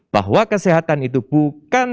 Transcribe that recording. bahwa kesehatan itu bukan